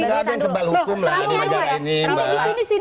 nggak ada yang tebal hukum lah di negara ini mbak